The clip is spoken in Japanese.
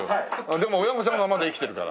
でも親御さんがまだ生きてるから。